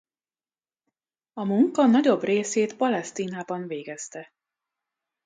A munka nagyobb részét Palesztinában végezte.